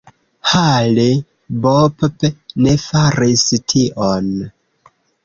Hale-Bopp ne faris tion.